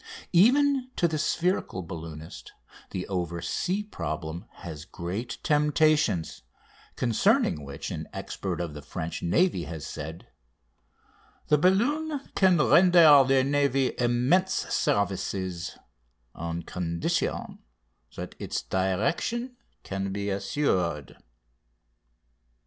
Even to the spherical balloonist the oversea problem has great temptations, concerning which an expert of the French Navy has said: "The balloon can render the navy immense services, on condition that its direction can be assured.